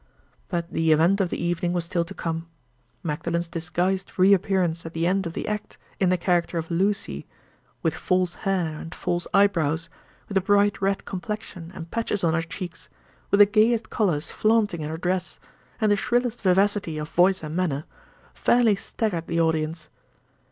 But the event of the evening was still to come. Magdalen's disguised re appearance at the end of the act, in the character of "Lucy"—with false hair and false eyebrows, with a bright red complexion and patches on her cheeks, with the gayest colors flaunting in her dress, and the shrillest vivacity of voice and manner—fairly staggered the audience.